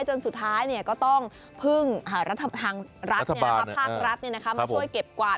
จนสุดท้ายก็ต้องพึ่งทางรัฐภาครัฐมาช่วยเก็บกวาด